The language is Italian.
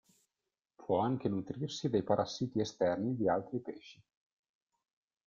Può anche nutrirsi dei parassiti esterni di altri pesci.